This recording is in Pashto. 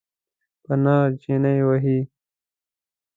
په نرخ چنی وهئ؟